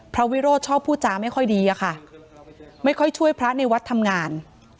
วิโรธชอบพูดจาไม่ค่อยดีอะค่ะไม่ค่อยช่วยพระในวัดทำงาน